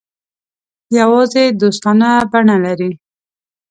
یوازې دوستانه بڼه لري.